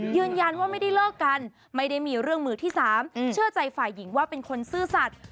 ยืนยันว่าไม่ได้เลิกกันไม่ได้มีเรื่องมือที่สามเชื่อใจฝ่ายหญิงว่าเป็นคนซื่อสัตว์